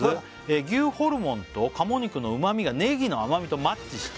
「牛ホルモンと鴨肉の旨みがねぎの甘みとマッチして」